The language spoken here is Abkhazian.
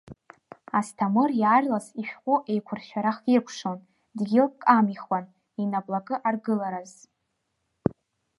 Асҭамыр иаарлас ишәҟәы еиқәыршәара хиркәшон, дгьылк амихуан, инаплакы аргылараз.